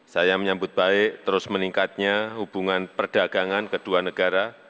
saya menyambut baik terus meningkatnya hubungan perdagangan kedua negara